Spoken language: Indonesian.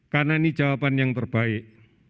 karena ini jawaban yang terbaik